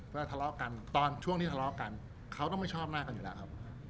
ก็ทะเลาะกันตอนช่วงที่ทะเลาะกันเขาต้องไม่ชอบหน้ากันอยู่แล้วครับ